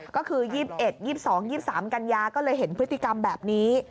ก็คือ๒๑๒๒๒๓กันยาก็เลยเห็นพฤติกรรมแบบนี้